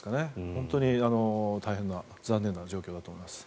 本当に大変な、残念な状況だと思います。